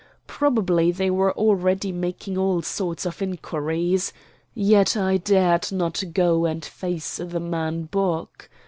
Probably they were already making all sorts of inquiries. Yet I dared not go and face the man Bock.